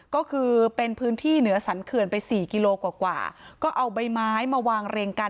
ก็คือเป็นพื้นที่เหนือสันเขื่อนไปสี่กิโลกว่าก็เอาใบไม้มาวางเรียงกัน